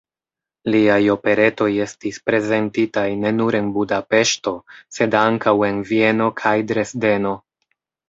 Liaj operetoj estis prezentitaj ne nur en Budapeŝto, sed ankaŭ en Vieno kaj Dresdeno.